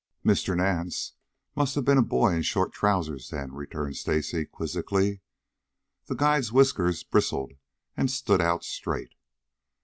"Mr. Nance must have been a boy in short trousers then," returned Stacy quizzically. The guide's whiskers bristled and stood out straight.